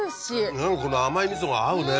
この甘い味噌が合うね。